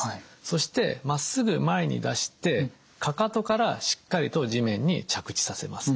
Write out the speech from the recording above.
そしてまっすぐ前に出してかかとからしっかりと地面に着地させます。